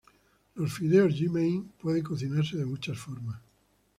Los fideos "yi mein" pueden cocinarse de muchas formas.